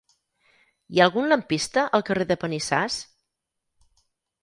Hi ha algun lampista al carrer de Panissars?